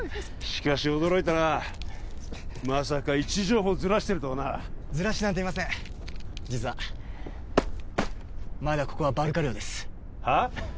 しかし驚いたなまさか位置情報をずらしてるとはなずらしてなんていません実はまだここはバルカ領ですはっ？